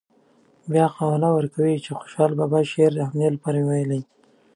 بیا حواله ورکوي چې خوشحال بابا شعر د همدې لپاره ویلی.